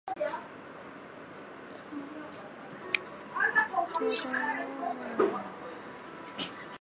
许多柏拉图撰写的对话录都参杂了人为成分。